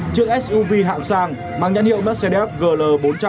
chiếc suv hạng sang mang nhãn hiệu mercedes gl bốn trăm linh